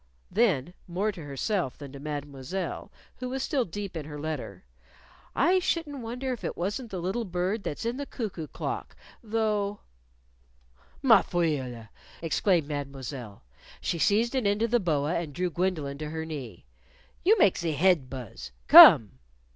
Then, more to herself than to Mademoiselle, who was still deep in her letter, "I shouldn't wonder if it wasn't the little bird that's in the cuckoo clock, though " "Ma foil!" exclaimed Mademoiselle. She seized an end of the boa and drew Gwendolyn to her knee. "You make ze head buzz. Come!"